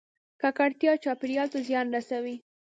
ککړتیا چاپیریال ته زیان رسوي